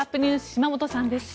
島本さんです。